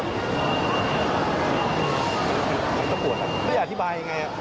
มันก็ปวดแล้วไม่อธิบายยังไง